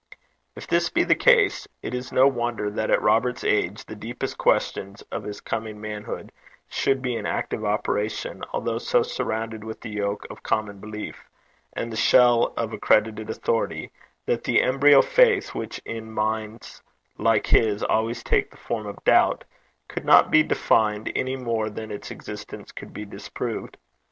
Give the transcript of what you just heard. If this be the case, it is no wonder that at Robert's age the deepest questions of his coming manhood should be in active operation, although so surrounded with the yoke of common belief and the shell of accredited authority, that the embryo faith, which in minds like his always takes the form of doubt, could not be defined any more than its existence could be disproved.